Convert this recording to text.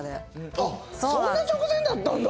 あっそんな直前だったんだ。